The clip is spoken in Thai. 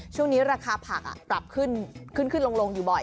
ช่วงนี้ราคาผักปรับขึ้นขึ้นลงอยู่บ่อย